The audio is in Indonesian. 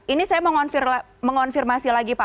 ini saya mau mengonfirmasi lagi pak